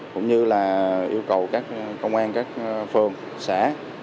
cũng như là yêu cầu các công an các phường xã